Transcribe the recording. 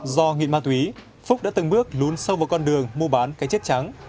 do nghiện ma túy phúc đã từng bước lún sâu vào con đường mua bán cái chết trắng